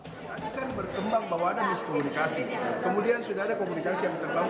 tadi kan berkembang bahwa ada miskomunikasi kemudian sudah ada komunikasi yang terbangun